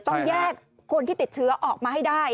ต้องแยกคนที่ติดเชื้อออกมาให้ได้